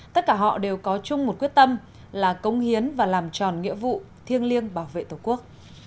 tất cả họ đều có chung một quyết tâm là công hiến và làm tròn nghĩa vụ thiêng liêng bảo vệ tổ quốc